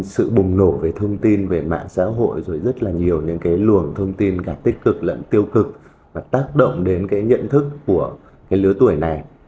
sự bùng nổ về thông tin về mạng xã hội rồi rất là nhiều những cái luồng thông tin cả tích cực lẫn tiêu cực và tác động đến cái nhận thức của cái lứa tuổi này